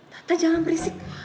shh tante jangan berisik